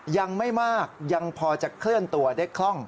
ยังไม่มากยังพอจะเคลื่อนตัวได้คล่อง